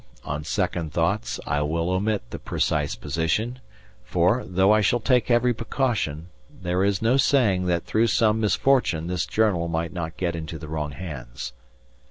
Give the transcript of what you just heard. on second thoughts I will omit the precise position, for, though I shall take every precaution, there is no saying that through some misfortune this Journal might not get into the wrong hands.